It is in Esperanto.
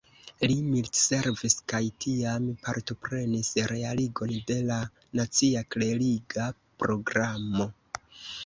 Li militservis kaj tiam partoprenis realigon de la nacia kleriga programo.